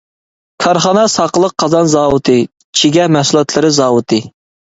كارخانا ساقىلىق قازان زاۋۇتى، چىگە مەھسۇلاتلىرى زاۋۇتى.